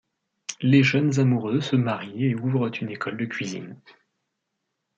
Les jeunes amoureux se marient et ouvrent une école de cuisine.